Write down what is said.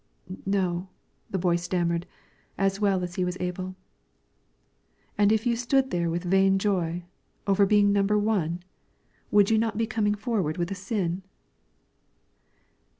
"No," the boy stammered, as well as he was able. "And if you stood there with vain joy, over being number one, would you not be coming forward with a sin?"